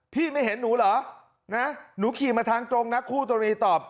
ไม่เห็นหนูเหรอนะหนูขี่มาทางตรงนะคู่กรณีตอบ